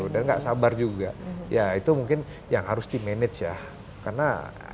dan gak sabar juga ya itu mungkin yang harus di manage ya karena at the end of the day millennial ini kan adalah